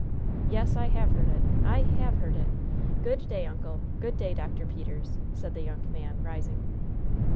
"Yes, I have heard it! I have heard it! Good day, uncle! Good day, Dr. Peters!" said the young man, rising.